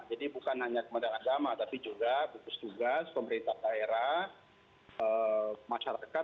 jadi bukan hanya kementerian agama tapi juga gugus tugas pemerintah daerah masyarakat